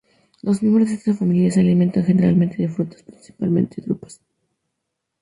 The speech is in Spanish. Los miembros de esta familia se alimentan generalmente de frutas, principalmente drupas.